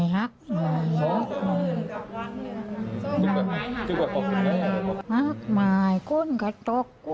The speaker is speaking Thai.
หนูกับหมารกกับถูกอออก